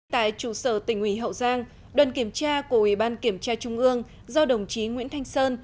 tại trụ sở tỉnh ủy hậu giang đoàn kiểm tra của ủy ban kiểm tra trung ương do đồng chí nguyễn thanh sơn